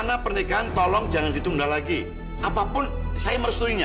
sampai jumpa di video selanjutnya